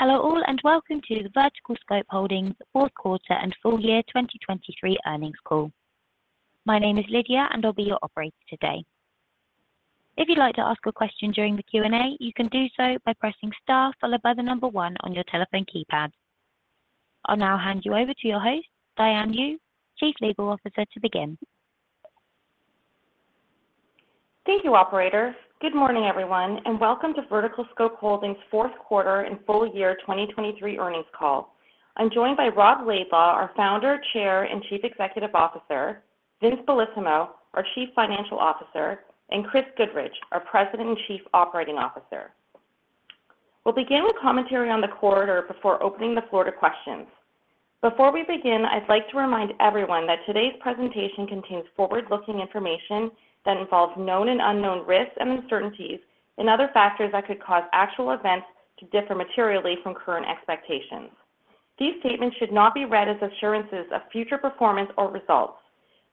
Hello all and welcome to the VerticalScope Holdings' fourth quarter and full year 2023 earnings call. My name is Lydia and I'll be your operator today. If you'd like to ask a question during the Q&A, you can do so by pressing STAR followed by the number 1 on your telephone keypad. I'll now hand you over to your host, Diane Yu, Chief Legal Officer, to begin. Thank you, operator. Good morning everyone, and welcome to VerticalScope Holdings' fourth quarter and full year 2023 earnings call. I'm joined by Rob Laidlaw, our Founder, Chair, and Chief Executive Officer, Vince Bellissimo, our Chief Financial Officer, and Chris Goodridge, our President and Chief Operating Officer. We'll begin with commentary on the quarter before opening the floor to questions. Before we begin, I'd like to remind everyone that today's presentation contains forward-looking information that involves known and unknown risks and uncertainties, and other factors that could cause actual events to differ materially from current expectations. These statements should not be read as assurances of future performance or results.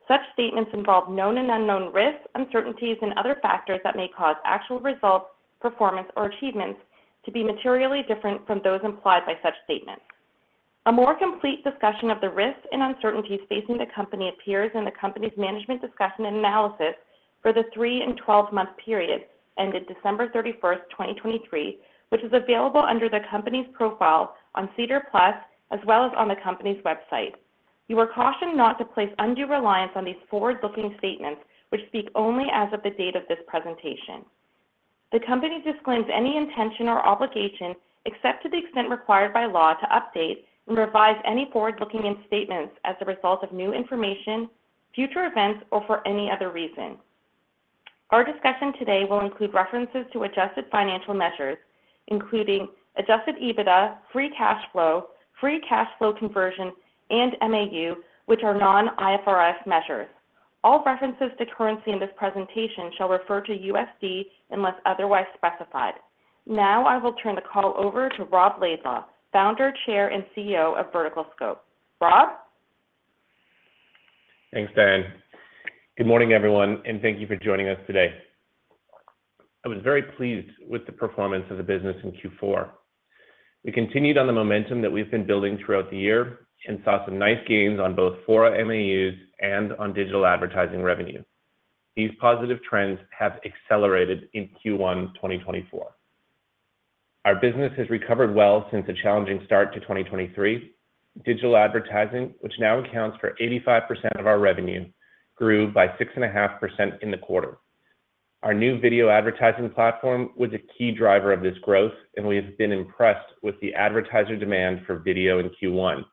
Such statements involve known and unknown risks, uncertainties, and other factors that may cause actual results, performance, or achievements to be materially different from those implied by such statements. A more complete discussion of the risks and uncertainties facing the company appears in the company's management discussion and analysis for the 3- and 12-month period ended December 31, 2023, which is available under the company's profile on SEDAR+ as well as on the company's website. You are cautioned not to place undue reliance on these forward-looking statements, which speak only as of the date of this presentation. The company disclaims any intention or obligation except to the extent required by law to update and revise any forward-looking statements as a result of new information, future events, or for any other reason. Our discussion today will include references to adjusted financial measures, including Adjusted EBITDA, free cash flow, free cash flow conversion, and MAU, which are non-IFRS measures. All references to currency in this presentation shall refer to USD unless otherwise specified. Now I will turn the call over to Rob Laidlaw, Founder, Chair, and CEO of VerticalScope. Rob? Thanks, Diane. Good morning everyone, and thank you for joining us today. I was very pleased with the performance of the business in Q4. We continued on the momentum that we've been building throughout the year and saw some nice gains on both Fora MAUs and on digital advertising revenue. These positive trends have accelerated in Q1 2024. Our business has recovered well since a challenging start to 2023. Digital advertising, which now accounts for 85% of our revenue, grew by 6.5% in the quarter. Our new video advertising platform was a key driver of this growth, and we have been impressed with the advertiser demand for video in Q1.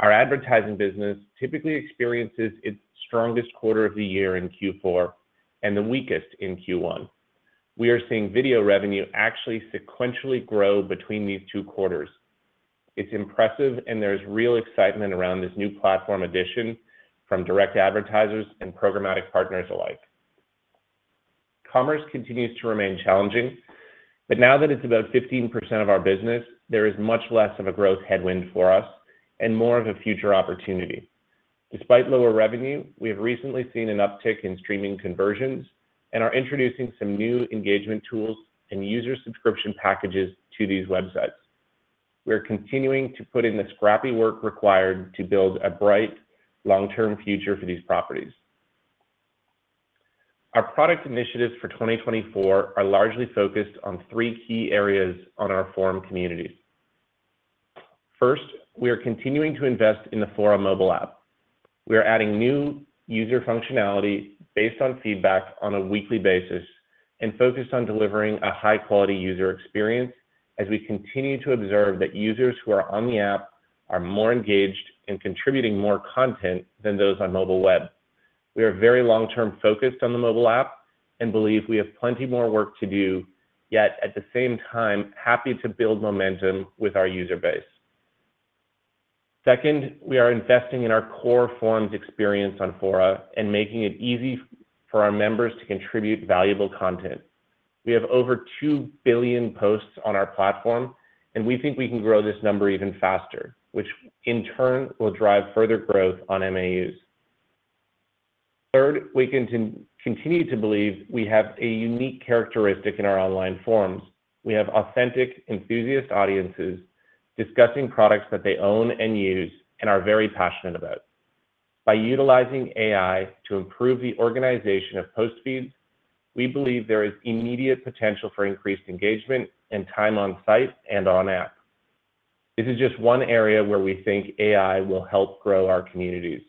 Our advertising business typically experiences its strongest quarter of the year in Q4 and the weakest in Q1. We are seeing video revenue actually sequentially grow between these two quarters. It's impressive, and there's real excitement around this new platform addition from direct advertisers and programmatic partners alike. Commerce continues to remain challenging, but now that it's about 15% of our business, there is much less of a growth headwind for us and more of a future opportunity. Despite lower revenue, we have recently seen an uptick in streaming conversions and are introducing some new engagement tools and user subscription packages to these websites. We are continuing to put in the scrappy work required to build a bright, long-term future for these properties. Our product initiatives for 2024 are largely focused on three key areas on our forum communities. First, we are continuing to invest in the Fora mobile app. We are adding new user functionality based on feedback on a weekly basis and focused on delivering a high-quality user experience as we continue to observe that users who are on the app are more engaged in contributing more content than those on mobile web. We are very long-term focused on the mobile app and believe we have plenty more work to do, yet at the same time, happy to build momentum with our user base. Second, we are investing in our core forums experience on Fora and making it easy for our members to contribute valuable content. We have over 2 billion posts on our platform, and we think we can grow this number even faster, which in turn will drive further growth on MAUs. Third, we continue to believe we have a unique characteristic in our online forums. We have authentic enthusiast audiences discussing products that they own and use and are very passionate about. By utilizing AI to improve the organization of post feeds, we believe there is immediate potential for increased engagement and time on site and on app. This is just one area where we think AI will help grow our communities.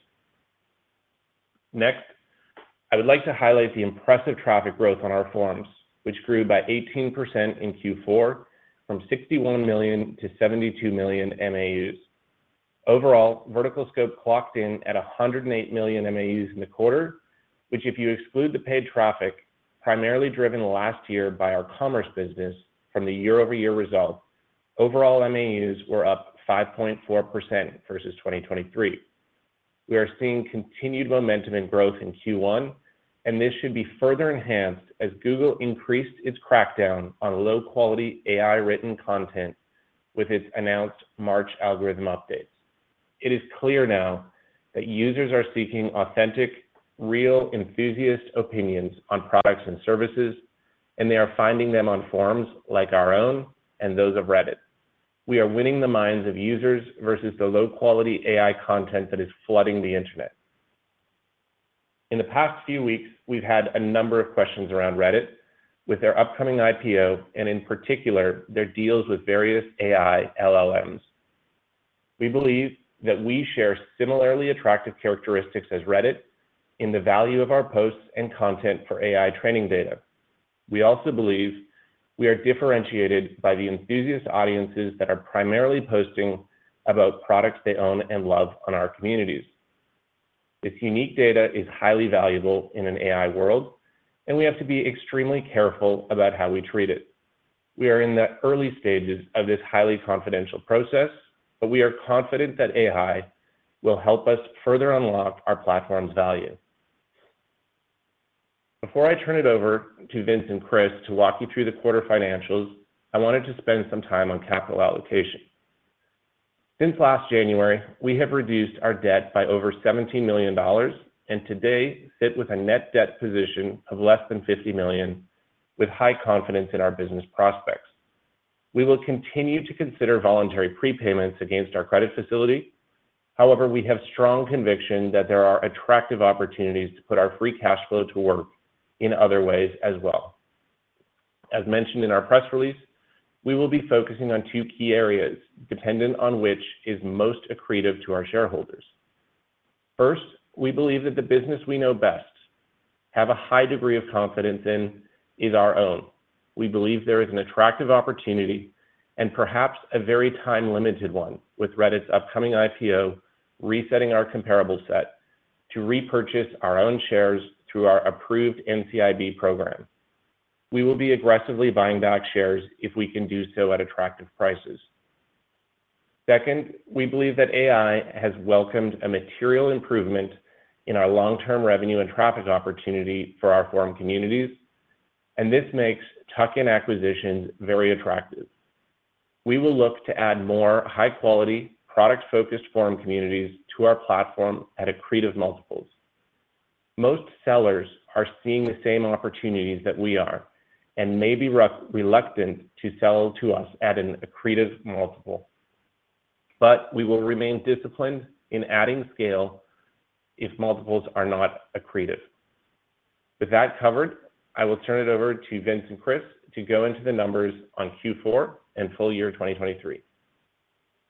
Next, I would like to highlight the impressive traffic growth on our forums, which grew by 18% in Q4 from 61 million to 72 million MAUs. Overall, VerticalScope clocked in at 108 million MAUs in the quarter, which if you exclude the paid traffic primarily driven last year by our commerce business from the year-over-year result, overall MAUs were up 5.4% versus 2023. We are seeing continued momentum and growth in Q1, and this should be further enhanced as Google increased its crackdown on low-quality AI-written content with its announced March algorithm updates. It is clear now that users are seeking authentic, real enthusiast opinions on products and services, and they are finding them on forums like our own and those of Reddit. We are winning the minds of users versus the low-quality AI content that is flooding the internet. In the past few weeks, we've had a number of questions around Reddit with their upcoming IPO and in particular, their deals with various AI LLMs. We believe that we share similarly attractive characteristics as Reddit in the value of our posts and content for AI training data. We also believe we are differentiated by the enthusiast audiences that are primarily posting about products they own and love on our communities. This unique data is highly valuable in an AI world, and we have to be extremely careful about how we treat it. We are in the early stages of this highly confidential process, but we are confident that AI will help us further unlock our platform's value. Before I turn it over to Vince and Chris to walk you through the quarter financials, I wanted to spend some time on capital allocation. Since last January, we have reduced our debt by over $17 million and today sit with a net debt position of less than $50 million with high confidence in our business prospects. We will continue to consider voluntary prepayments against our credit facility. However, we have strong conviction that there are attractive opportunities to put our free cash flow to work in other ways as well. As mentioned in our press release, we will be focusing on two key areas dependent on which is most accretive to our shareholders. First, we believe that the business we know best, have a high degree of confidence in, is our own. We believe there is an attractive opportunity and perhaps a very time-limited one with Reddit's upcoming IPO resetting our comparable set to repurchase our own shares through our approved NCIB program. We will be aggressively buying back shares if we can do so at attractive prices. Second, we believe that AI has welcomed a material improvement in our long-term revenue and traffic opportunity for our forum communities, and this makes tuck-in acquisitions very attractive. We will look to add more high-quality, product-focused forum communities to our platform at accretive multiples. Most sellers are seeing the same opportunities that we are and may be reluctant to sell to us at an accretive multiple, but we will remain disciplined in adding scale if multiples are not accretive. With that covered, I will turn it over to Vince and Chris to go into the numbers on Q4 and full year 2023.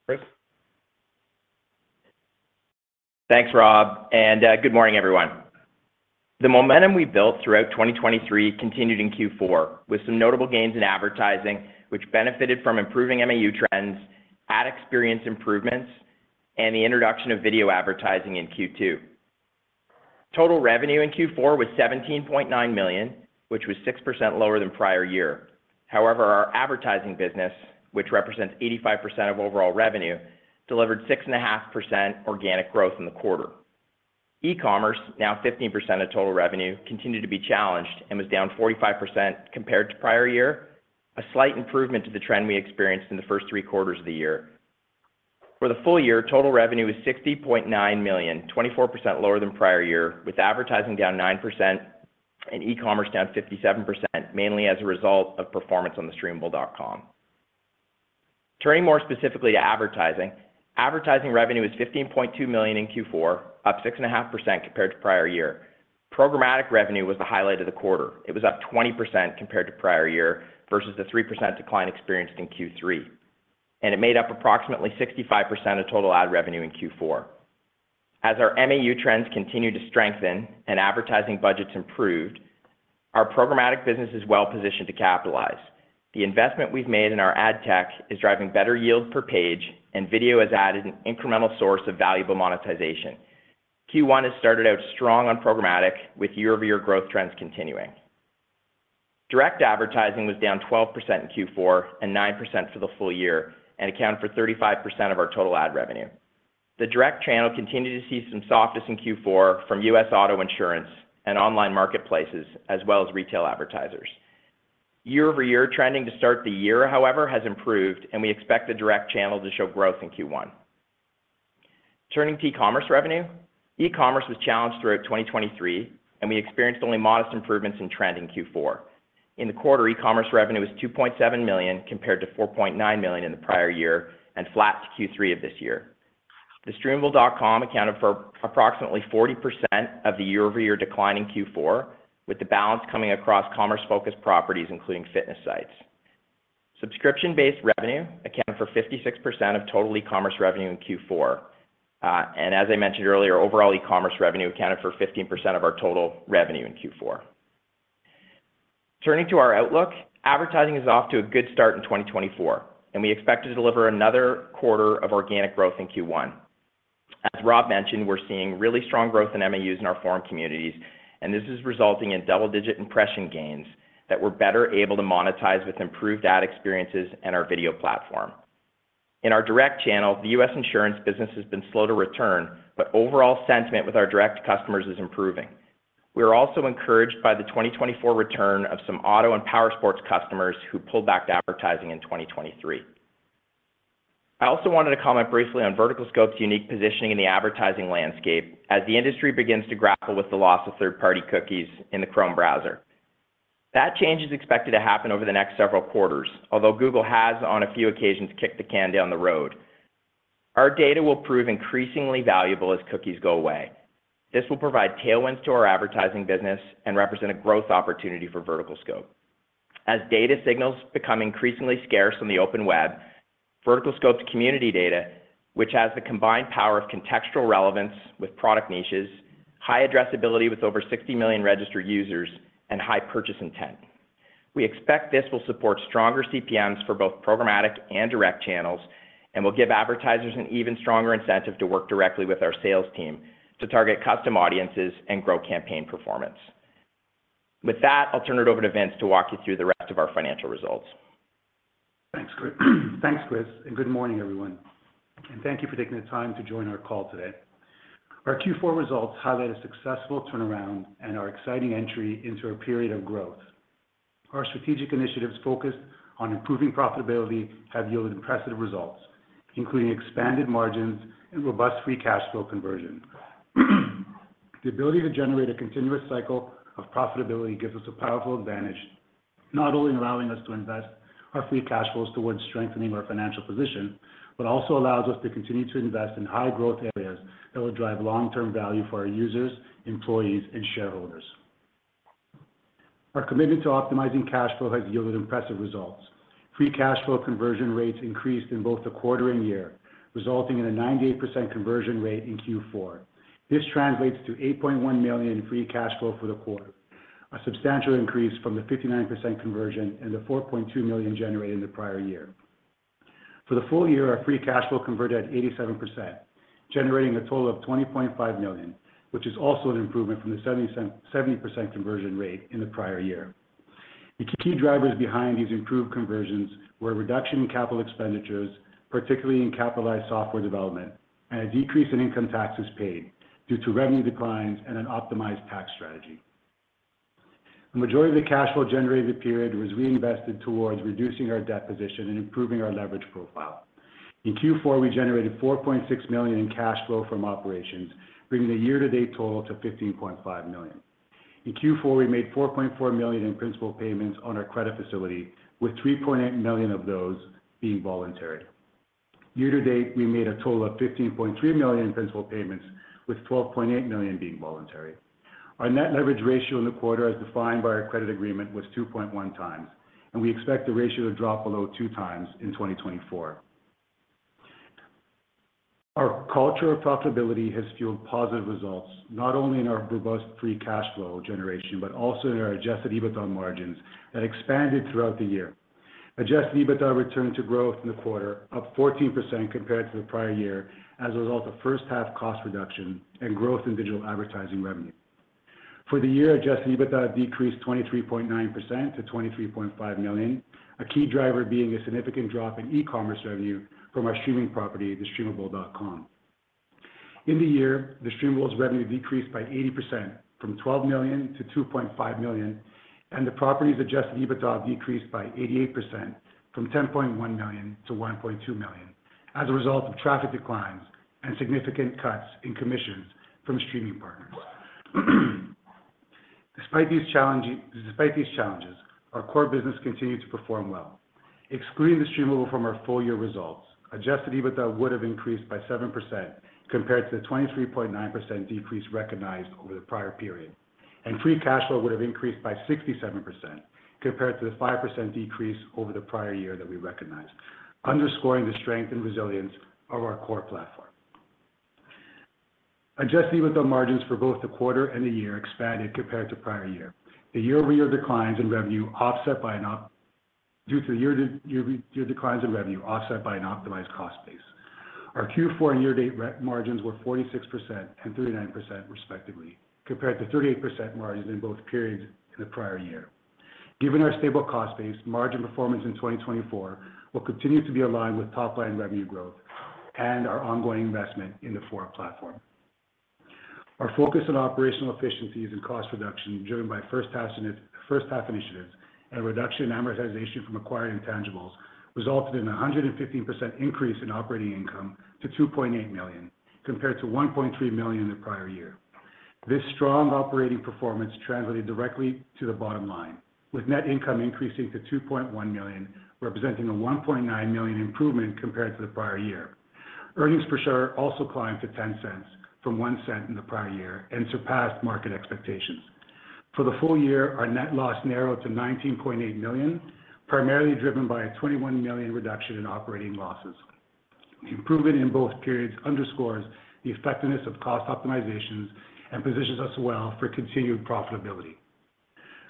Chris? Thanks, Rob, and good morning everyone. The momentum we built throughout 2023 continued in Q4 with some notable gains in advertising, which benefited from improving MAU trends, ad experience improvements, and the introduction of video advertising in Q2. Total revenue in Q4 was $17.9 million, which was 6% lower than prior year. However, our advertising business, which represents 85% of overall revenue, delivered 6.5% organic growth in the quarter. E-commerce, now 15% of total revenue, continued to be challenged and was down 45% compared to prior year, a slight improvement to the trend we experienced in the first three quarters of the year. For the full year, total revenue was $60.9 million, 24% lower than prior year, with advertising down 9% and e-commerce down 57%, mainly as a result of performance on thestreamable.com. Turning more specifically to advertising, advertising revenue was $15.2 million in Q4, up 6.5% compared to prior year. Programmatic revenue was the highlight of the quarter. It was up 20% compared to prior year versus the 3% decline experienced in Q3, and it made up approximately 65% of total ad revenue in Q4. As our MAU trends continue to strengthen and advertising budgets improved, our programmatic business is well positioned to capitalize. The investment we've made in our ad tech is driving better yield per page, and video has added an incremental source of valuable monetization. Q1 has started out strong on programmatic, with year-over-year growth trends continuing. Direct advertising was down 12% in Q4 and 9% for the full year and accounted for 35% of our total ad revenue. The direct channel continued to see some softness in Q4 from U.S. auto insurance and online marketplaces as well as retail advertisers. Year-over-year trending to start the year, however, has improved, and we expect the direct channel to show growth in Q1. Turning to e-commerce revenue, e-commerce was challenged throughout 2023, and we experienced only modest improvements in trend in Q4. In the quarter, e-commerce revenue was $2.7 million compared to $4.9 million in the prior year and flat to Q3 of this year. The Streamable accounted for approximately 40% of the year-over-year decline in Q4, with the balance coming across commerce-focused properties, including fitness sites. Subscription-based revenue accounted for 56% of total e-commerce revenue in Q4, and as I mentioned earlier, overall e-commerce revenue accounted for 15% of our total revenue in Q4. Turning to our outlook, advertising is off to a good start in 2024, and we expect to deliver another quarter of organic growth in Q1. As Rob mentioned, we're seeing really strong growth in MAUs in our forum communities, and this is resulting in double-digit impression gains that we're better able to monetize with improved ad experiences and our video platform. In our direct channel, the U.S. insurance business has been slow to return, but overall sentiment with our direct customers is improving. We are also encouraged by the 2024 return of some auto and powersports customers who pulled back advertising in 2023. I also wanted to comment briefly on VerticalScope's unique positioning in the advertising landscape as the industry begins to grapple with the loss of third-party cookies in the Chrome browser. That change is expected to happen over the next several quarters, although Google has, on a few occasions, kicked the can down the road. Our data will prove increasingly valuable as cookies go away. This will provide tailwinds to our advertising business and represent a growth opportunity for VerticalScope. As data signals become increasingly scarce on the open web, VerticalScope's community data, which has the combined power of contextual relevance with product niches, high addressability with over 60 million registered users, and high purchase intent, we expect this will support stronger CPMs for both programmatic and direct channels and will give advertisers an even stronger incentive to work directly with our sales team to target custom audiences and grow campaign performance. With that, I'll turn it over to Vince to walk you through the rest of our financial results. Thanks, Chris, and good morning everyone, and thank you for taking the time to join our call today. Our Q4 results highlight a successful turnaround and our exciting entry into a period of growth. Our strategic initiatives focused on improving profitability have yielded impressive results, including expanded margins and robust free cash flow conversion. The ability to generate a continuous cycle of profitability gives us a powerful advantage, not only allowing us to invest our free cash flows towards strengthening our financial position but also allows us to continue to invest in high-growth areas that will drive long-term value for our users, employees, and shareholders. Our commitment to optimizing cash flow has yielded impressive results. Free cash flow conversion rates increased in both the quarter and year, resulting in a 98% conversion rate in Q4. This translates to $8.1 million free cash flow for the quarter, a substantial increase from the 59% conversion and the $4.2 million generated in the prior year. For the full year, our free cash flow converted at 87%, generating a total of $20.5 million, which is also an improvement from the 70% conversion rate in the prior year. The key drivers behind these improved conversions were a reduction in capital expenditures, particularly in capitalized software development, and a decrease in income taxes paid due to revenue declines and an optimized tax strategy. The majority of the cash flow generated in the period was reinvested towards reducing our debt position and improving our leverage profile. In Q4, we generated $4.6 million in cash flow from operations, bringing the year-to-date total to $15.5 million. In Q4, we made $4.4 million in principal payments on our credit facility, with $3.8 million of those being voluntary. Year-to-date, we made a total of $15.3 million in principal payments, with $12.8 million being voluntary. Our net leverage ratio in the quarter, as defined by our credit agreement, was 2.1 times, and we expect the ratio to drop below 2 times in 2024. Our culture of profitability has fueled positive results not only in our robust free cash flow generation but also in our Adjusted EBITDA margins that expanded throughout the year. Adjusted EBITDA returned to growth in the quarter, up 14% compared to the prior year as a result of first-half cost reduction and growth in digital advertising revenue. For the year, Adjusted EBITDA decreased 23.9% to $23.5 million, a key driver being a significant drop in e-commerce revenue from our streaming property, the Streamable.com. In the year, The Streamable's revenue decreased by 80% from $12 million to $2.5 million, and the property's Adjusted EBITDA decreased by 88% from $10.1 million to $1.2 million as a result of traffic declines and significant cuts in commissions from streaming partners. Despite these challenges, our core business continued to perform well. Excluding The Streamable from our full year results, Adjusted EBITDA would have increased by 7% compared to the 23.9% decrease recognized over the prior period, and free cash flow would have increased by 67% compared to the 5% decrease over the prior year that we recognized, underscoring the strength and resilience of our core platform. Adjusted EBITDA margins for both the quarter and the year expanded compared to prior year due to the year-over-year declines in revenue offset by an optimized cost base. Our Q4 and year-to-date margins were 46% and 39%, respectively, compared to 38% margins in both periods in the prior year. Given our stable cost base, margin performance in 2024 will continue to be aligned with top-line revenue growth and our ongoing investment in the Fora platform. Our focus on operational efficiencies and cost reduction, driven by first-half initiatives and reduction in amortization from acquired intangibles, resulted in a 115% increase in operating income to $2.8 million compared to $1.3 million in the prior year. This strong operating performance translated directly to the bottom line, with net income increasing to $2.1 million, representing a $1.9 million improvement compared to the prior year. Earnings per share also climbed to $0.10 from $0.01 in the prior year and surpassed market expectations. For the full year, our net loss narrowed to $19.8 million, primarily driven by a $21 million reduction in operating losses. The improvement in both periods underscores the effectiveness of cost optimizations and positions us well for continued profitability.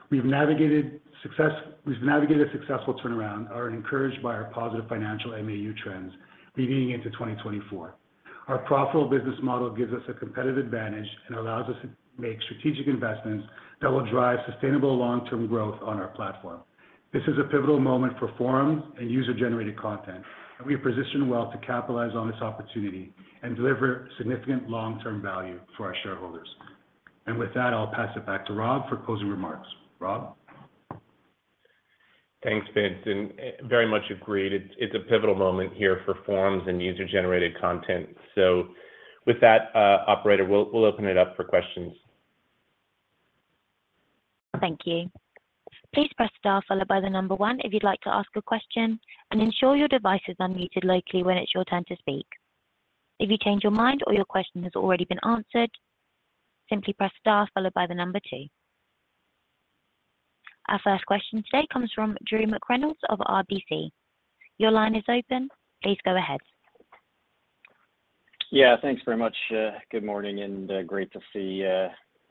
We've navigated a successful turnaround and are encouraged by our positive financial MAU trends leading into 2024. Our profitable business model gives us a competitive advantage and allows us to make strategic investments that will drive sustainable long-term growth on our platform. This is a pivotal moment for forums and user-generated content, and we have positioned well to capitalize on this opportunity and deliver significant long-term value for our shareholders. And with that, I'll pass it back to Rob for closing remarks. Rob? Thanks, Vince. Very much agreed. It's a pivotal moment here for forums and user-generated content. With that, operator, we'll open it up for questions. Thank you. Please press star followed by the number one if you'd like to ask a question, and ensure your device is unmuted locally when it's your turn to speak. If you change your mind or your question has already been answered, simply press star followed by the number two. Our first question today comes from Drew McReynolds of RBC. Your line is open. Please go ahead. Yeah, thanks very much. Good morning, and great to see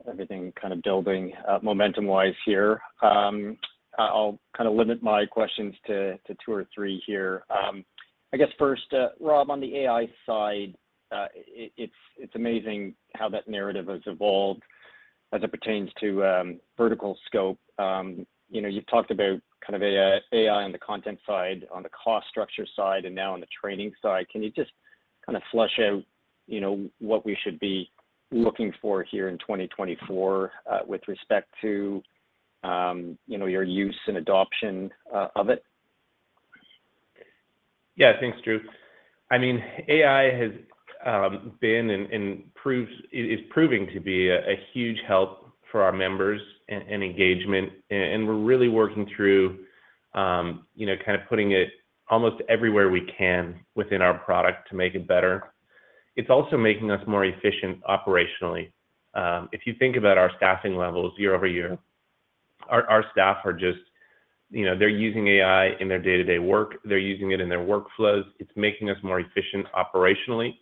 everything kind of building up momentum-wise here. I'll kind of limit my questions to two or three here. I guess first, Rob, on the AI side, it's amazing how that narrative has evolved as it pertains to VerticalScope. You've talked about kind of AI on the content side, on the cost structure side, and now on the training side. Can you just kind of flesh out what we should be looking for here in 2024 with respect to your use and adoption of it? Yeah, thanks, Drew. I mean, AI has been and is proving to be a huge help for our members and engagement, and we're really working through kind of putting it almost everywhere we can within our product to make it better. It's also making us more efficient operationally. If you think about our staffing levels year-over-year, our staff are just, they're using AI in their day-to-day work. They're using it in their workflows. It's making us more efficient operationally,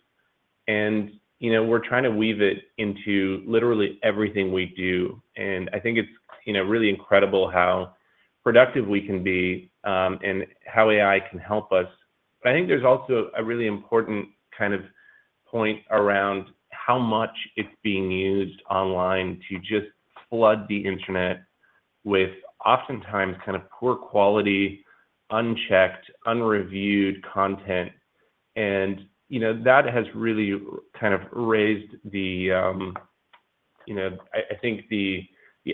and we're trying to weave it into literally everything we do. And I think it's really incredible how productive we can be and how AI can help us. But I think there's also a really important kind of point around how much it's being used online to just flood the internet with oftentimes kind of poor-quality, unchecked, unreviewed content. And that has really kind of raised, I think, the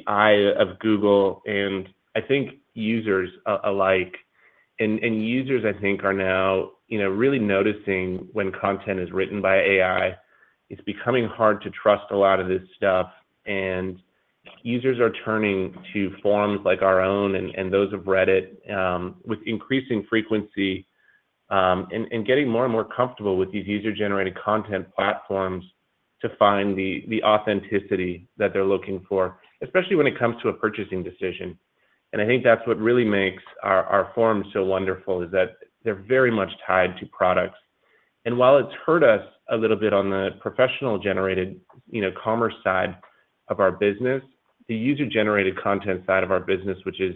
eye of Google and I think users alike. And users, I think, are now really noticing when content is written by AI, it's becoming hard to trust a lot of this stuff, and users are turning to forums like our own and those of Reddit with increasing frequency and getting more and more comfortable with these user-generated content platforms to find the authenticity that they're looking for, especially when it comes to a purchasing decision. And I think that's what really makes our forums so wonderful, is that they're very much tied to products. And while it's hurt us a little bit on the professional-generated commerce side of our business, the user-generated content side of our business, which is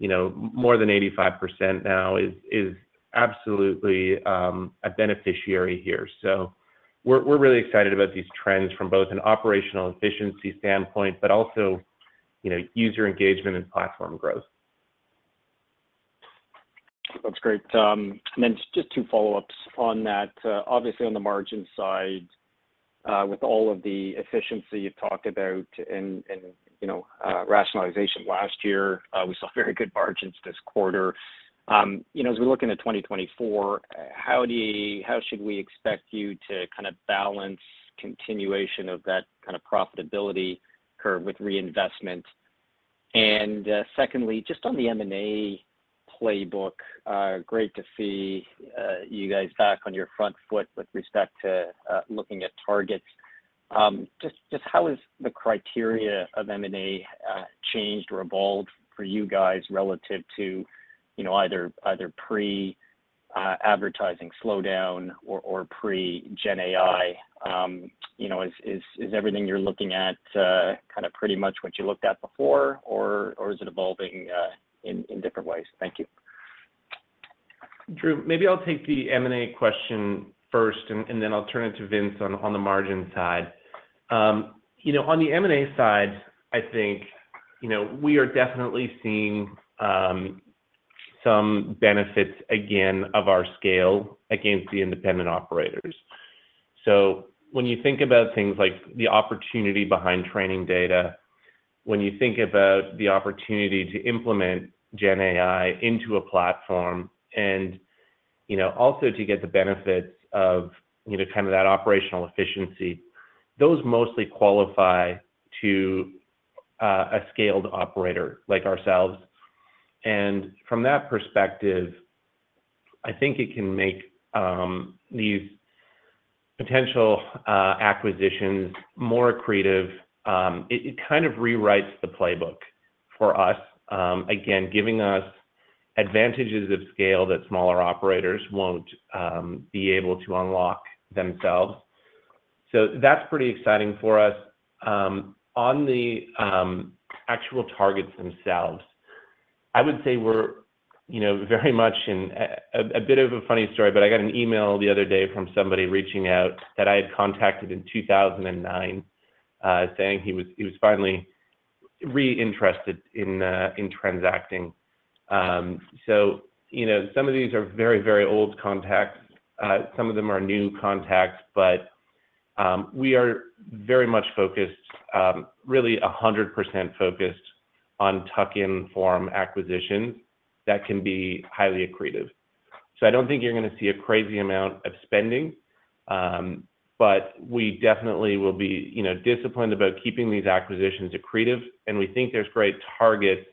more than 85% now, is absolutely a beneficiary here. We're really excited about these trends from both an operational efficiency standpoint but also user engagement and platform growth. That's great. And then just two follow-ups on that. Obviously, on the margin side, with all of the efficiency you've talked about and rationalization last year, we saw very good margins this quarter. As we look into 2024, how should we expect you to kind of balance continuation of that kind of profitability curve with reinvestment? And secondly, just on the M&A playbook, great to see you guys back on your front foot with respect to looking at targets. Just how has the criteria of M&A changed or evolved for you guys relative to either pre-advertising slowdown or pre-GenAI? Is everything you're looking at kind of pretty much what you looked at before, or is it evolving in different ways? Thank you. Drew, maybe I'll take the M&A question first, and then I'll turn it to Vince on the margin side. On the M&A side, I think we are definitely seeing some benefits, again, of our scale against the independent operators. So when you think about things like the opportunity behind training data, when you think about the opportunity to implement GenAI into a platform and also to get the benefits of kind of that operational efficiency, those mostly qualify to a scaled operator like ourselves. And from that perspective, I think it can make these potential acquisitions more creative. It kind of rewrites the playbook for us, again, giving us advantages of scale that smaller operators won't be able to unlock themselves. So that's pretty exciting for us. On the actual targets themselves, I would say we're very much in a bit of a funny story, but I got an email the other day from somebody reaching out that I had contacted in 2009 saying he was finally reinterested in transacting. So some of these are very, very old contacts. Some of them are new contacts, but we are very much focused, really 100% focused on tuck-in form acquisitions that can be highly accretive. So I don't think you're going to see a crazy amount of spending, but we definitely will be disciplined about keeping these acquisitions accretive. And we think there's great targets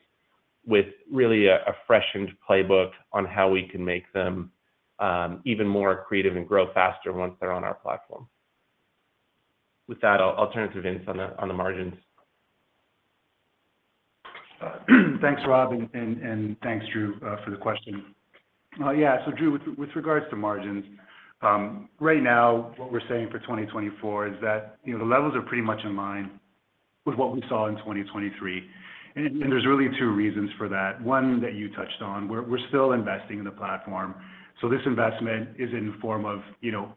with really a freshened playbook on how we can make them even more accretive and grow faster once they're on our platform. With that, I'll turn it to Vince on the margins. Thanks, Rob, and thanks, Drew, for the question. Yeah, so Drew, with regards to margins, right now, what we're saying for 2024 is that the levels are pretty much in line with what we saw in 2023. There's really two reasons for that. One, that you touched on, we're still investing in the platform. So this investment is in the form of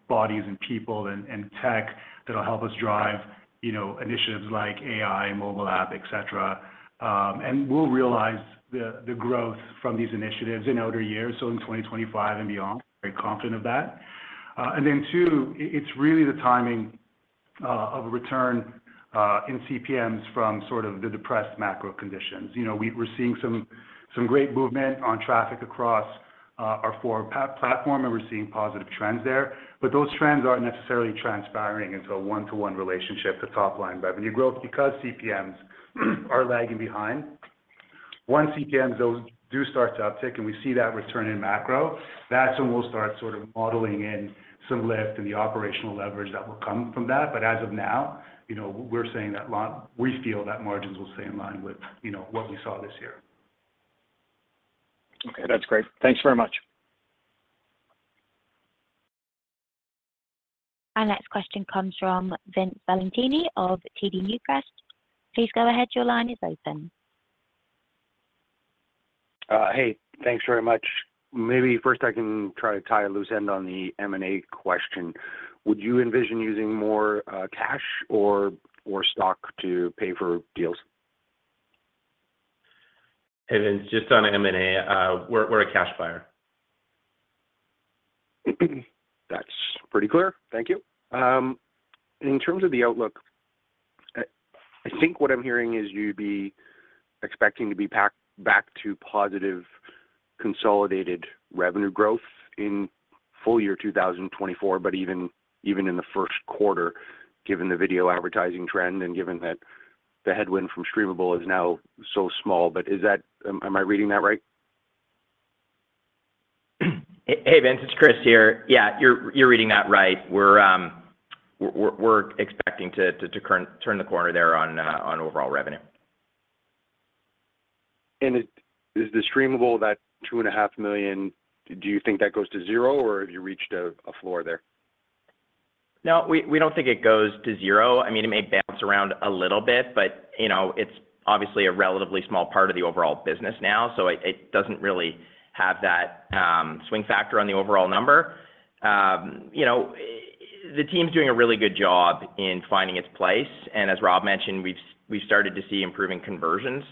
bodies and people and tech that'll help us drive initiatives like AI, mobile app, etc. We'll realize the growth from these initiatives in earlier years, so in 2025 and beyond. Very confident of that. Then two, it's really the timing of a return in CPMs from sort of the depressed macro conditions. We're seeing some great movement on traffic across our forum platform, and we're seeing positive trends there. But those trends aren't necessarily transpiring into a one-to-one relationship to top-line revenue growth because CPMs are lagging behind. Once CPMs, those do start to uptick, and we see that return in macro, that's when we'll start sort of modeling in some lift and the operational leverage that will come from that. But as of now, we're saying that we feel that margins will stay in line with what we saw this year. Okay, that's great. Thanks very much. Our next question comes from Vince Valentini of TD Securities. Please go ahead. Your line is open. Hey, thanks very much. Maybe first, I can try to tie a loose end on the M&A question. Would you envision using more cash or stock to pay for deals? Hey, Vince, just on M&A, we're a cash buyer. That's pretty clear. Thank you. In terms of the outlook, I think what I'm hearing is you'd be expecting to be back to positive consolidated revenue growth in full year 2024, but even in the first quarter, given the video advertising trend and given that the headwind from Streamable is now so small? But am I reading that right? Hey, Vince, it's Chris here. Yeah, you're reading that right. We're expecting to turn the corner there on overall revenue. Is The Streamable, that $2.5 million, do you think that goes to zero, or have you reached a floor there? No, we don't think it goes to zero. I mean, it may bounce around a little bit, but it's obviously a relatively small part of the overall business now, so it doesn't really have that swing factor on the overall number. The team's doing a really good job in finding its place. And as Rob mentioned, we've started to see improving conversions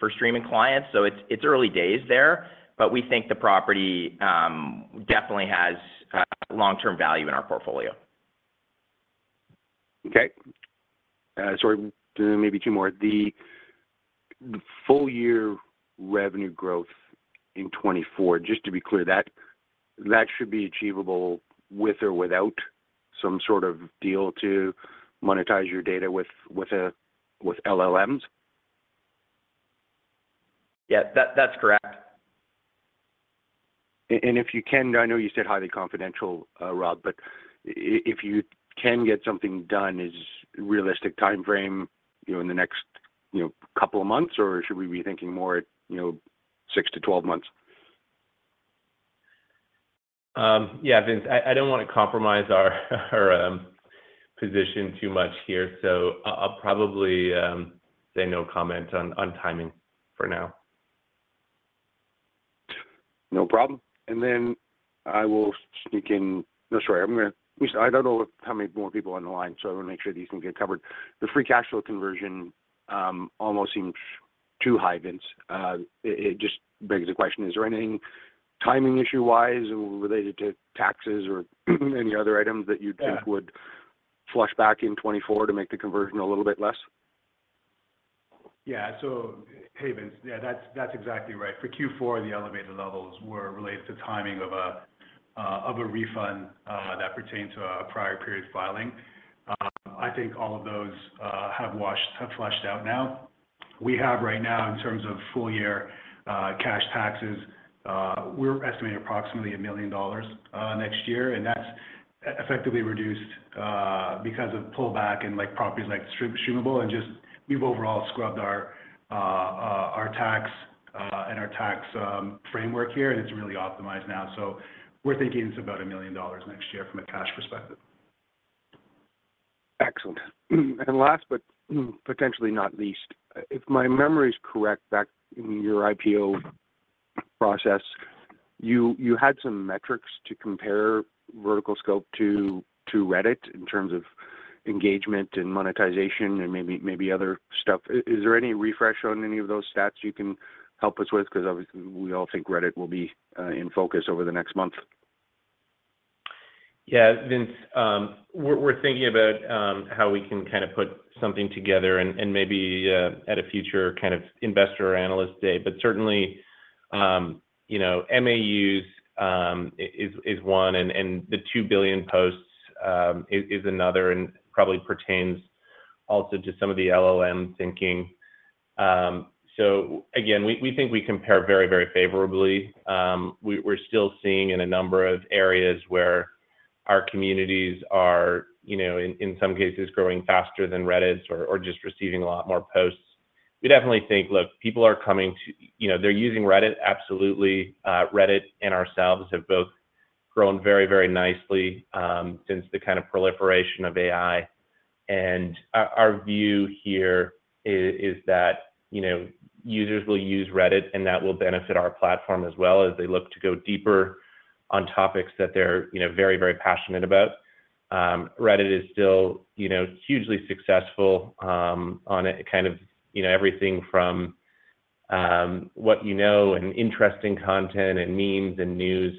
for streaming clients. So it's early days there, but we think the property definitely has long-term value in our portfolio. Okay. Sorry, maybe two more. The full-year revenue growth in 2024, just to be clear, that should be achievable with or without some sort of deal to monetize your data with LLMs? Yeah, that's correct. If you can, I know you said highly confidential, Rob, but if you can get something done, is realistic timeframe in the next couple of months, or should we be thinking more at 6-12 months? Yeah, Vince, I don't want to compromise our position too much here, so I'll probably say no comment on timing for now. No problem. And then I will sneak in no, sorry, I'm going to I don't know how many more people on the line, so I want to make sure these things get covered. The free cash flow conversion almost seems too high, Vince. It just begs the question, is there anything timing issue-wise related to taxes or any other items that you'd think would flush back in 2024 to make the conversion a little bit less? Yeah, so hey, Vince, yeah, that's exactly right. For Q4, the elevated levels were related to timing of a refund that pertained to a prior period filing. I think all of those have flushed out now. We have right now, in terms of full-year cash taxes, we're estimating approximately $1 million next year, and that's effectively reduced because of pullback and properties like Streamable. And just we've overall scrubbed our tax and our tax framework here, and it's really optimized now. So we're thinking it's about $1 million next year from a cash perspective. Excellent. And last but potentially not least, if my memory is correct, back in your IPO process, you had some metrics to compare VerticalScope to Reddit in terms of engagement and monetization and maybe other stuff. Is there any refresh on any of those stats you can help us with? Because obviously, we all think Reddit will be in focus over the next month. Yeah, Vince, we're thinking about how we can kind of put something together and maybe at a future kind of investor analyst day. But certainly, MAUs is one, and the 2 billion posts is another and probably pertains also to some of the LLM thinking. So again, we think we compare very, very favorably. We're still seeing in a number of areas where our communities are, in some cases, growing faster than Reddit's or just receiving a lot more posts. We definitely think, "Look, people are coming to; they're using Reddit, absolutely. Reddit and ourselves have both grown very, very nicely since the kind of proliferation of AI." And our view here is that users will use Reddit, and that will benefit our platform as well as they look to go deeper on topics that they're very, very passionate about. Reddit is still hugely successful on kind of everything from, you know, interesting content and memes and news.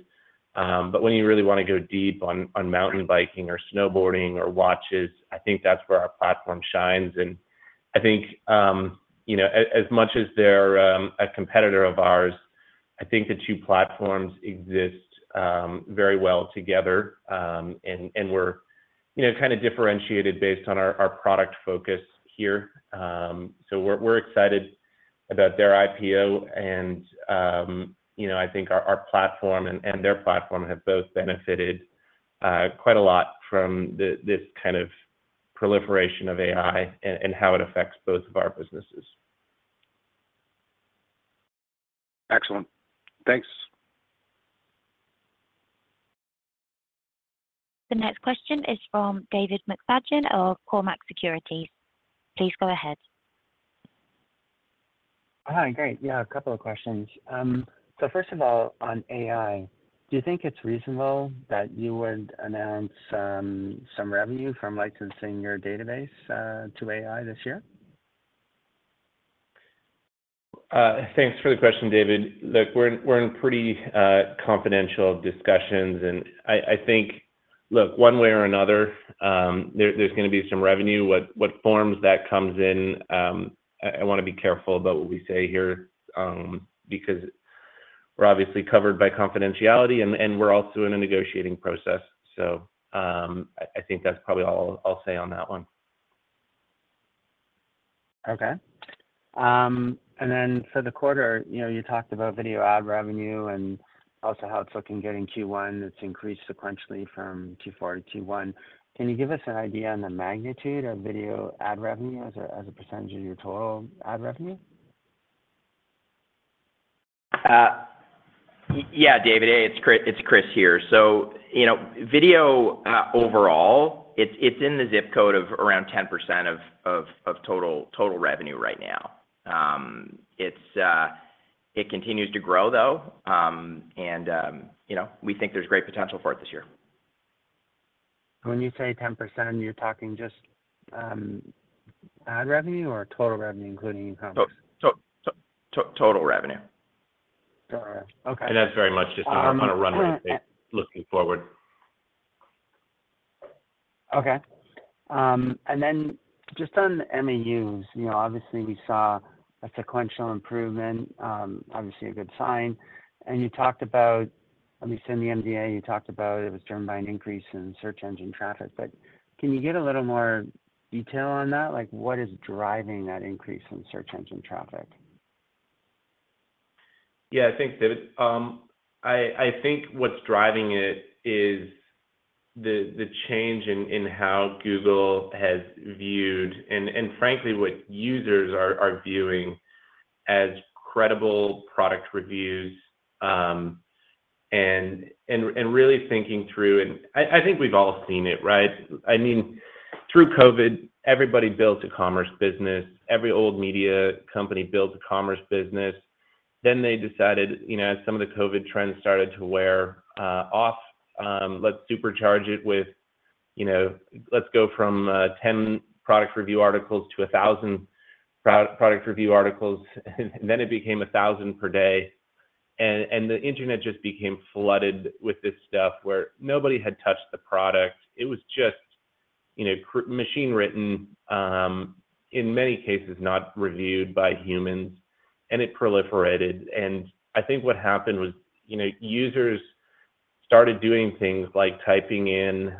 But when you really want to go deep on mountain biking or snowboarding or watches, I think that's where our platform shines. And I think as much as they're a competitor of ours, I think the two platforms exist very well together, and we're kind of differentiated based on our product focus here. So we're excited about their IPO, and I think our platform and their platform have both benefited quite a lot from this kind of proliferation of AI and how it affects both of our businesses. Excellent. Thanks. The next question is from David McFadgen of Cormark Securities. Please go ahead. Hi, great. Yeah, a couple of questions. So first of all, on AI, do you think it's reasonable that you would announce some revenue from licensing your database to AI this year? Thanks for the question, David. Look, we're in pretty confidential discussions, and I think, look, one way or another, there's going to be some revenue. What forms that comes in, I want to be careful about what we say here because we're obviously covered by confidentiality, and we're also in a negotiating process. So I think that's probably all I'll say on that one. Okay. And then for the quarter, you talked about video ad revenue and also how it's looking good in Q1. It's increased sequentially from Q4 to Q1. Can you give us an idea on the magnitude of video ad revenue as a percentage of your total ad revenue? Yeah, David, it's Chris here. So video overall, it's in the zip code of around 10% of total revenue right now. It continues to grow, though, and we think there's great potential for it this year. When you say 10%, you're talking just ad revenue or total revenue including income? Total revenue. Got it. Okay. That's very much just on a runway looking forward. Okay. And then just on the MAUs, obviously, we saw a sequential improvement, obviously a good sign. And you talked about let me send the MDA. You talked about it was driven by an increase in search engine traffic. But can you get a little more detail on that? What is driving that increase in search engine traffic? Yeah, I think, David. I think what's driving it is the change in how Google has viewed and frankly, what users are viewing as credible product reviews and really thinking through and I think we've all seen it, right? I mean, through COVID, everybody built a commerce business. Every old media company built a commerce company. Then they decided as some of the COVID trends started to wear off, let's supercharge it with let's go from 10 product review articles to 1,000 product review articles. And then it became 1,000 per day. And the internet just became flooded with this stuff where nobody had touched the product. It was just machine-written, in many cases, not reviewed by humans. And it proliferated. And I think what happened was users started doing things like typing in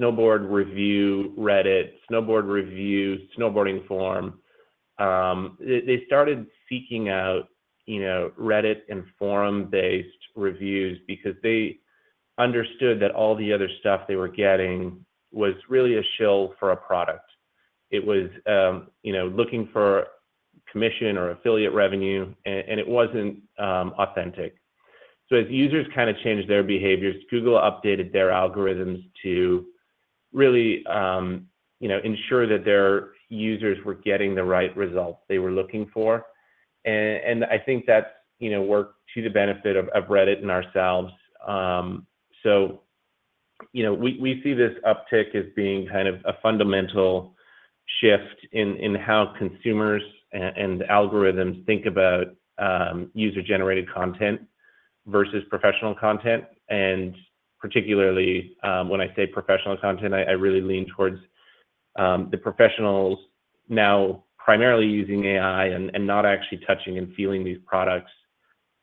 snowboard review, Reddit, snowboard review, snowboarding forum. They started seeking out Reddit and forum-based reviews because they understood that all the other stuff they were getting was really a shill for a product. It was looking for commission or affiliate revenue, and it wasn't authentic. So as users kind of changed their behaviors, Google updated their algorithms to really ensure that their users were getting the right results they were looking for. And I think that's worked to the benefit of Reddit and ourselves. So we see this uptick as being kind of a fundamental shift in how consumers and algorithms think about user-generated content versus professional content. Particularly when I say professional content, I really lean towards the professionals now primarily using AI and not actually touching and feeling these products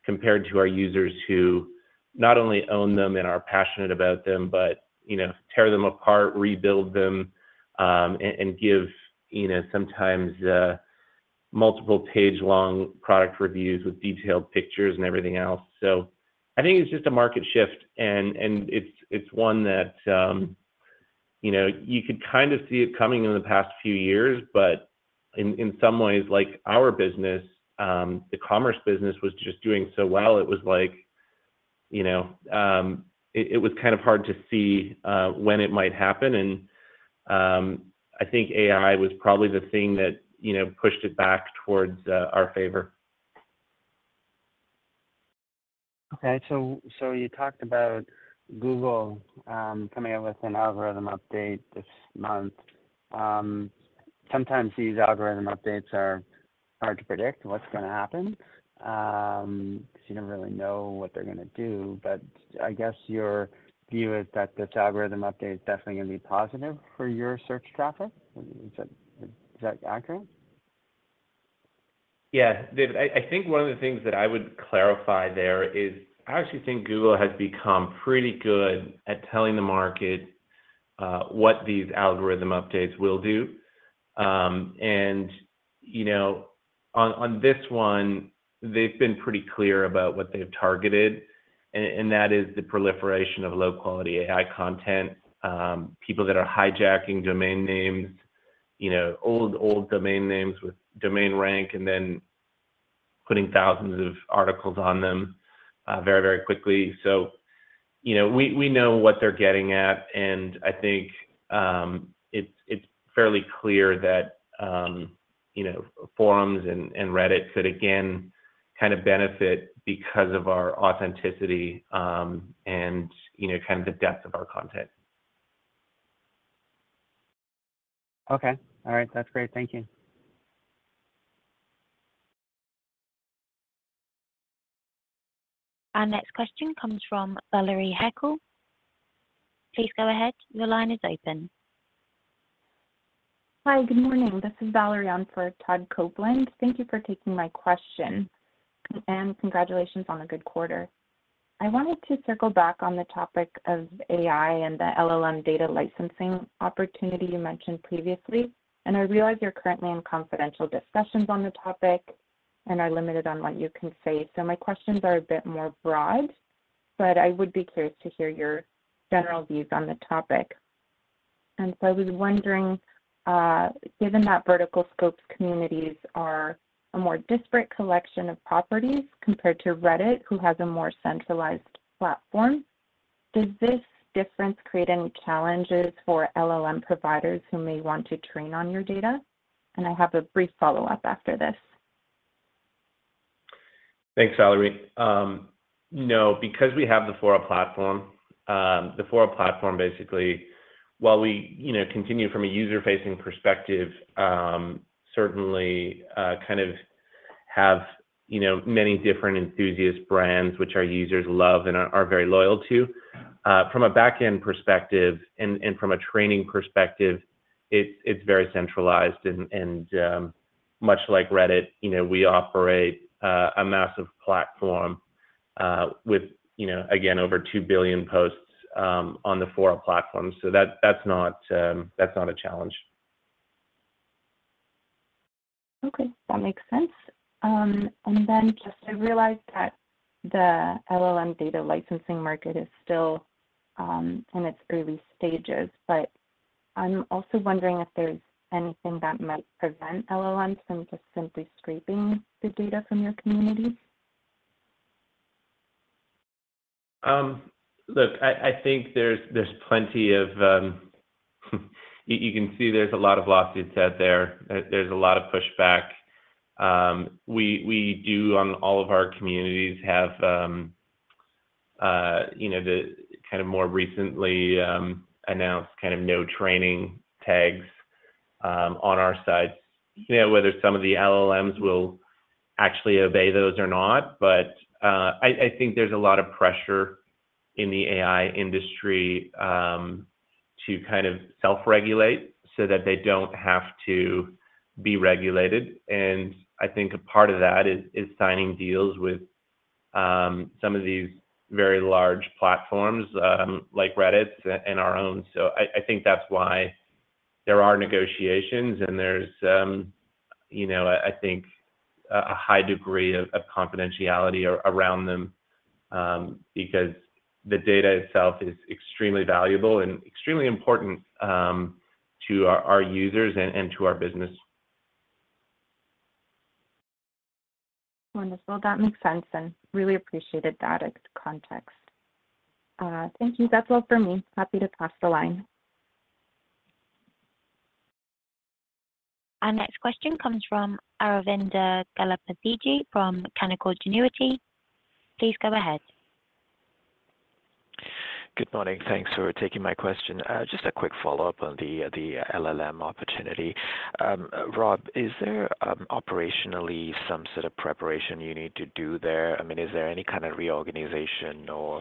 compared to our users who not only own them and are passionate about them, but tear them apart, rebuild them, and give sometimes multiple-page-long product reviews with detailed pictures and everything else. So I think it's just a market shift, and it's one that you could kind of see it coming in the past few years. But in some ways, like our business, the commerce business was just doing so well. It was like it was kind of hard to see when it might happen. And I think AI was probably the thing that pushed it back towards our favor. Okay. So you talked about Google coming up with an algorithm update this month. Sometimes these algorithm updates are hard to predict what's going to happen because you never really know what they're going to do. But I guess your view is that this algorithm update is definitely going to be positive for your search traffic. Is that accurate? Yeah, David, I think one of the things that I would clarify there is I actually think Google has become pretty good at telling the market what these algorithm updates will do. On this one, they've been pretty clear about what they've targeted, and that is the proliferation of low-quality AI content, people that are hijacking domain names, old domain names with domain rank, and then putting thousands of articles on them very, very quickly. So we know what they're getting at, and I think it's fairly clear that forums and Reddit could, again, kind of benefit because of our authenticity and kind of the depth of our content. Okay. All right. That's great. Thank you. Our next question comes from Valerie He. Please go ahead. Your line is open. Hi, good morning. This is Valerie on for Todd Coupland. Thank you for taking my question, and congratulations on a good quarter. I wanted to circle back on the topic of AI and the LLM data licensing opportunity you mentioned previously. I realize you're currently in confidential discussions on the topic and are limited on what you can say. My questions are a bit more broad, but I would be curious to hear your general views on the topic. I was wondering, given that VerticalScope's communities are a more disparate collection of properties compared to Reddit, who has a more centralized platform, does this difference create any challenges for LLM providers who may want to train on your data? I have a brief follow-up after this. Thanks, Valerie. No, because we have the Fora platform, the Fora platform, basically, while we continue from a user-facing perspective, certainly kind of have many different enthusiast brands, which our users love and are very loyal to. From a backend perspective and from a training perspective, it's very centralized. And much like Reddit, we operate a massive platform with, again, over 2 billion posts on the Fora platform. So that's not a challenge. Okay. That makes sense. Then just I realized that the LLM data licensing market is still in its early stages. But I'm also wondering if there's anything that might prevent LLMs from just simply scraping the data from your community. Look, I think there's plenty of, you can see, there's a lot of lawsuits out there. There's a lot of pushback. We do, on all of our communities, have the kind of more recently announced kind of no-training tags on our sites, whether some of the LLMs will actually obey those or not. But I think there's a lot of pressure in the AI industry to kind of self-regulate so that they don't have to be regulated. And I think a part of that is signing deals with some of these very large platforms like Reddit and our own. So I think that's why there are negotiations, and there's, I think, a high degree of confidentiality around them because the data itself is extremely valuable and extremely important to our users and to our business. Wonderful. That makes sense and really appreciated that context. Thank you. That's all for me. Happy to pass the line. Our next question comes from Aravinda Galappatthige from Canaccord Genuity. Please go ahead. Good morning. Thanks for taking my question. Just a quick follow-up on the LLM opportunity. Rob, is there operationally some sort of preparation you need to do there? I mean, is there any kind of reorganization or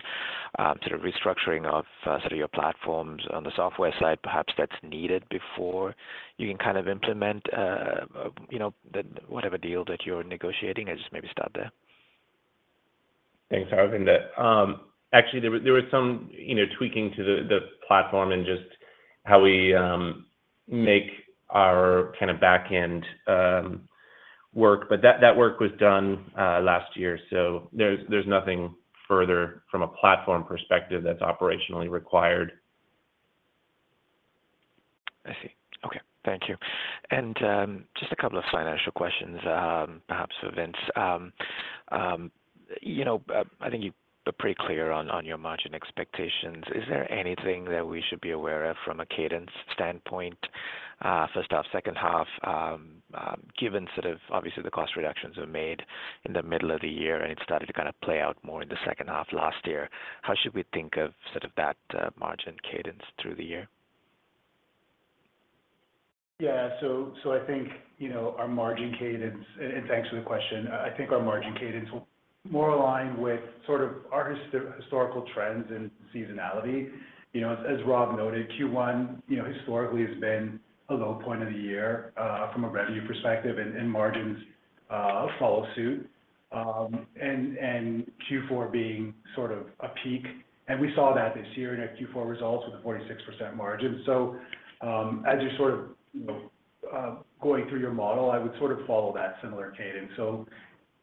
sort of restructuring of sort of your platforms on the software side perhaps that's needed before you can kind of implement whatever deal that you're negotiating? I'll just maybe start there. Thanks, Aravinda. Actually, there was some tweaking to the platform and just how we make our kind of backend work. But that work was done last year. So there's nothing further from a platform perspective that's operationally required. I see. Okay. Thank you. And just a couple of financial questions, perhaps, for Vince. I think you're pretty clear on your margin expectations. Is there anything that we should be aware of from a cadence standpoint, first half, second half, given sort of obviously, the cost reductions were made in the middle of the year, and it started to kind of play out more in the second half last year? How should we think of sort of that margin cadence through the year? Yeah. So I think our margin cadence, and thanks for the question. I think our margin cadence will more align with sort of our historical trends and seasonality. As Rob noted, Q1 historically has been a low point of the year from a revenue perspective, and margins follow suit, and Q4 being sort of a peak. We saw that this year in our Q4 results with a 46% margin. So as you're sort of going through your model, I would sort of follow that similar cadence. So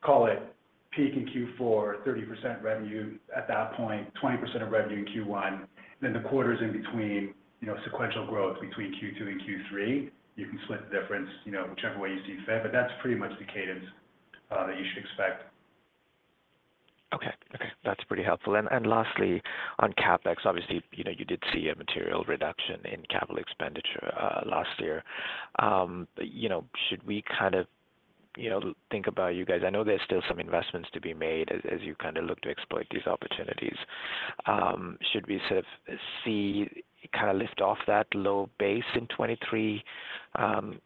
call it peak in Q4, 30% revenue at that point, 20% of revenue in Q1, then the quarters in between, sequential growth between Q2 and Q3. You can split the difference whichever way you see fit. But that's pretty much the cadence that you should expect. Okay. Okay. That's pretty helpful. And lastly, on CapEx, obviously, you did see a material reduction in capital expenditure last year. Should we kind of think about you guys? I know there's still some investments to be made as you kind of look to exploit these opportunities. Should we sort of see kind of lift off that low base in 2023 on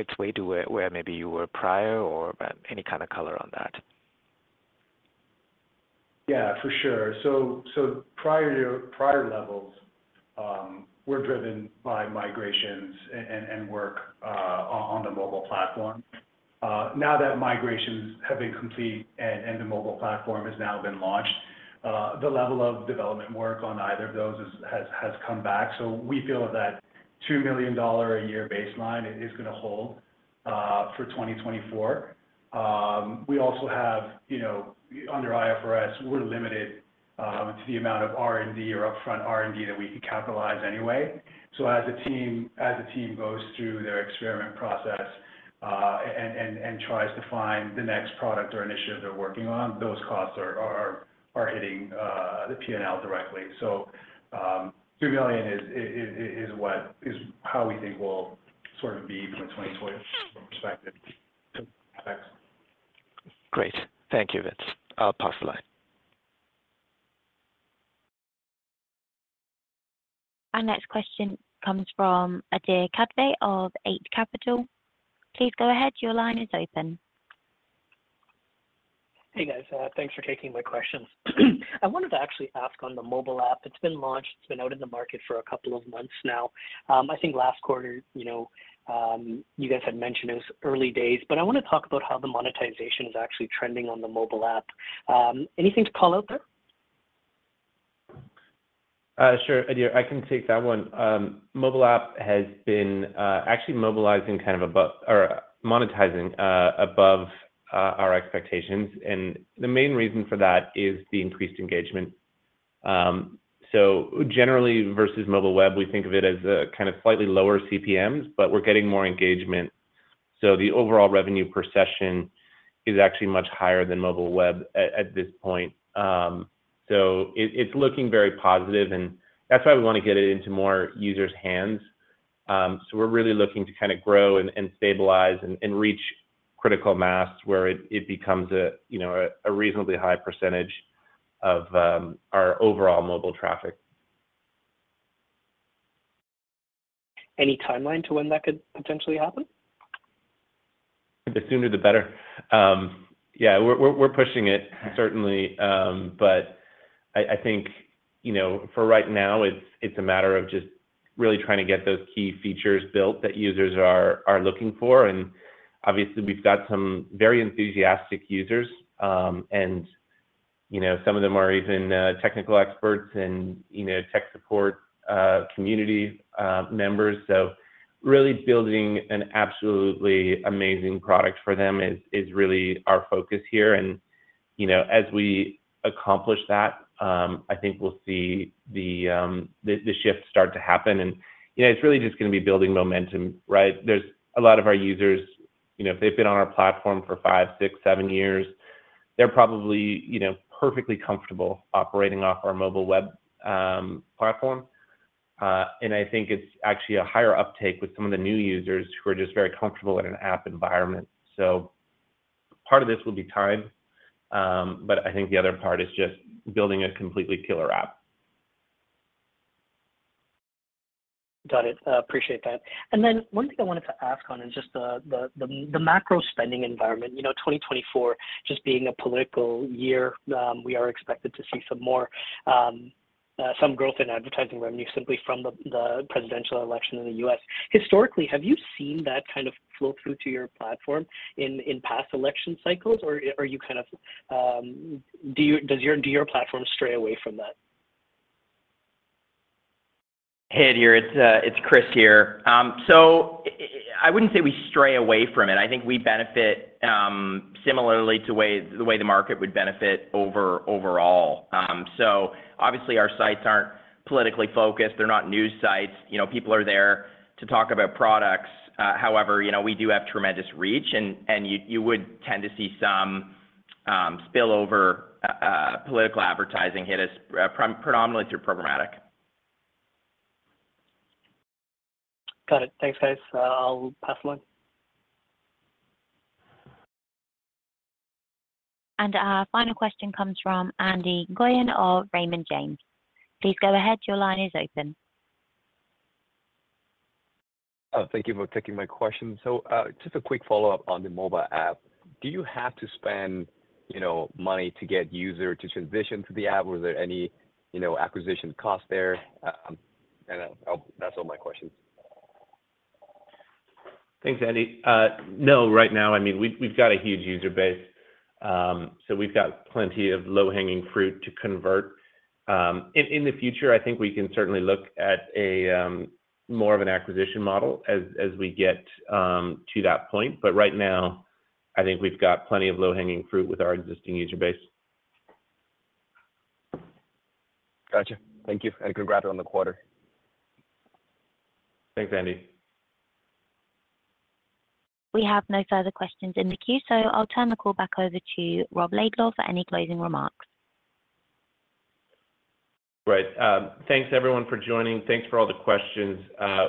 its way to where maybe you were prior or any kind of color on that? Yeah, for sure. So prior levels, we're driven by migrations and work on the mobile platform. Now that migrations have been complete and the mobile platform has now been launched, the level of development work on either of those has come back. So we feel that $2 million a year baseline is going to hold for 2024. We also have under IFRS, we're limited to the amount of R&D or upfront R&D that we can capitalize anyway. So as a team goes through their experiment process and tries to find the next product or initiative they're working on, those costs are hitting the P&L directly. So $2 million is how we think will sort of be from a 2024 perspective to CapEx. Great. Thank you, Vince. I'll pass the line. Our next question comes from Adhir Kadve of Eight Capital. Please go ahead. Your line is open. Hey, guys. Thanks for taking my questions. I wanted to actually ask on the mobile app. It's been launched. It's been out in the market for a couple of months now. I think last quarter, you guys had mentioned it was early days. But I want to talk about how the monetization is actually trending on the mobile app. Anything to call out there? Sure, Adhir. I can take that one. Mobile app has been actually mobilizing kind of above or monetizing above our expectations. The main reason for that is the increased engagement. Generally, versus mobile web, we think of it as kind of slightly lower CPMs, but we're getting more engagement. The overall revenue per session is actually much higher than mobile web at this point. It's looking very positive, and that's why we want to get it into more users' hands. We're really looking to kind of grow and stabilize and reach critical mass where it becomes a reasonably high percentage of our overall mobile traffic. Any timeline to when that could potentially happen? The sooner, the better. Yeah, we're pushing it, certainly. But I think for right now, it's a matter of just really trying to get those key features built that users are looking for. And obviously, we've got some very enthusiastic users, and some of them are even technical experts and tech support community members. So really building an absolutely amazing product for them is really our focus here. And as we accomplish that, I think we'll see the shift start to happen. And it's really just going to be building momentum, right? There's a lot of our users, if they've been on our platform for five, six, seven years, they're probably perfectly comfortable operating off our mobile web platform. And I think it's actually a higher uptake with some of the new users who are just very comfortable in an app environment. Part of this will be time, but I think the other part is just building a completely killer app. Got it. I appreciate that. Then one thing I wanted to ask on is just the macro spending environment. 2024, just being a political year, we are expected to see some growth in advertising revenue simply from the presidential election in the U.S. Historically, have you seen that kind of flow through to your platform in past election cycles, or are you kind of does your platform stray away from that? Hey, Adhir. It's Chris here. I wouldn't say we stray away from it. I think we benefit similarly to the way the market would benefit overall. So obviously, our sites aren't politically focused. They're not news sites. People are there to talk about products. However, we do have tremendous reach, and you would tend to see some spillover political advertising hit us predominantly through programmatic. Got it. Thanks, guys. I'll pass the line. Our final question comes from Andy Nguyen of Raymond James. Please go ahead. Your line is open. Oh, thank you for taking my question. So just a quick follow-up on the mobile app. Do you have to spend money to get users to transition to the app, or is there any acquisition cost there? And that's all my questions. Thanks, Andy. No, right now, I mean, we've got a huge user base. So we've got plenty of low-hanging fruit to convert. In the future, I think we can certainly look at more of an acquisition model as we get to that point. But right now, I think we've got plenty of low-hanging fruit with our existing user base. Gotcha. Thank you. Congrats on the quarter. Thanks, Andy. We have no further questions in the queue, so I'll turn the call back over to Rob Laidlaw for any closing remarks. Right. Thanks, everyone, for joining. Thanks for all the questions.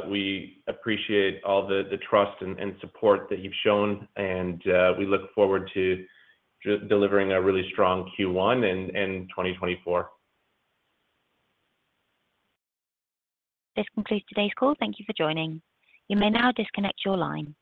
We appreciate all the trust and support that you've shown, and we look forward to delivering a really strong Q1 and 2024. This concludes today's call. Thank you for joining. You may now disconnect your line.